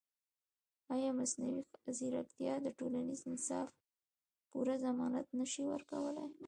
ایا مصنوعي ځیرکتیا د ټولنیز انصاف پوره ضمانت نه شي ورکولی؟